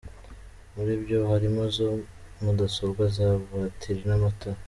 Muri byo harimo za mudasobwa, za batiri n’amatara.